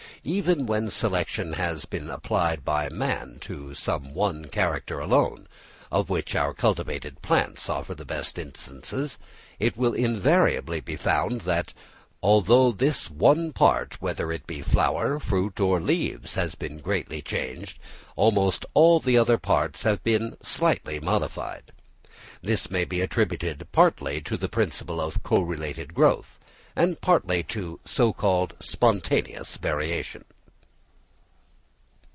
Even when selection has been applied by man to some one character alone—of which our cultivated plants offer the best instances—it will invariably be found that although this one part, whether it be the flower, fruit, or leaves, has been greatly changed, almost all the other parts have been slightly modified. This may be attributed partly to the principle of correlated growth, and partly to so called spontaneous variation.